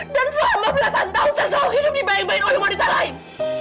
dan selama belasan tahun saya selalu hidup dibayang bayang oleh wanita lain